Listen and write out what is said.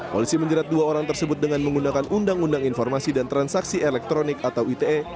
polisi menjerat dua orang tersebut dengan menggunakan undang undang informasi dan transaksi elektronik atau ite